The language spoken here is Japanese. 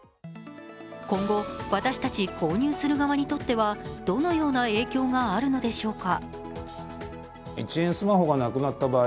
今後、私たち購入する側にとってはどのような影響があるのでしょうか。